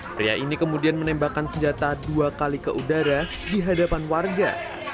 pria ini kemudian menembakkan senjata dua kali ke udara di hadapan warga